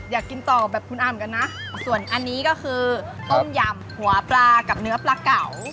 อยากกินต่อแบบคุณอำกันนะส่วนอันนี้ก็คือต้มยำหัวปลากับเนื้อปลาเก่า